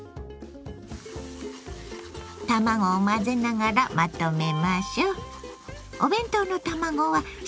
卵を混ぜながらまとめましょ。